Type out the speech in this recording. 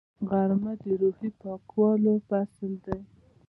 غرمه د روحي پاکوالي فصل دی